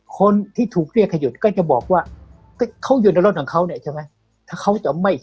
คนที่ถูกเรียกให้หยุดก็จะบอกว่า